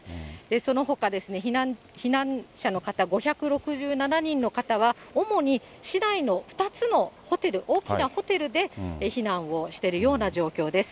そのほか、避難者の方５６７人の方は、主に市内の２つのホテル、大きなホテルで避難をしてるような状況です。